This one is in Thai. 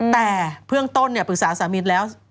แต่เบื้องต้นปรึกษาสามีแล้ว